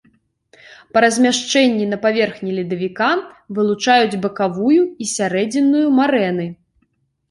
Па размяшчэнні на паверхні ледавіка вылучаюць бакавую і сярэдзінную марэны.